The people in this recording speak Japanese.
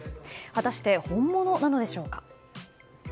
果たして本物なのでしょうか。